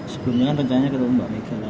sebelumnya kan rencana ketemu mbak mika